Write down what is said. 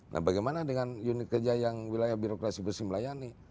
nah bagaimana dengan unit kerja yang wilayah birokrasi bersih melayani